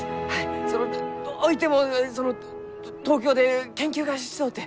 そのどういてもその東京で研究がしとうて。